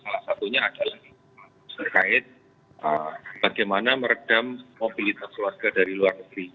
salah satunya adalah terkait bagaimana meredam mobilitas keluarga dari luar negeri